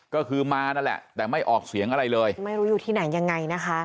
ก็คือมานั่นแหละแต่ไม่ออกเสียงอะไรเลยไม่รู้อยู่ที่ไหนยังไงนะคะ